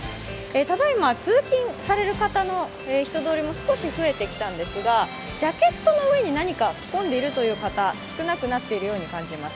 ただいま通勤される方の人通りも少し増えてきたのですが、ジャケットの上に何か着込んでるという方、少なくなっているように感じます。